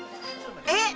えっ？